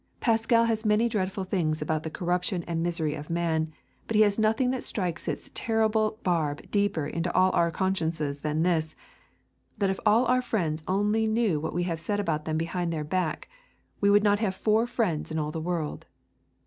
Pascal has many dreadful things about the corruption and misery of man, but he has nothing that strikes its terrible barb deeper into all our consciences than this, that if all our friends only knew what we have said about them behind their back, we would not have four friends in all the world.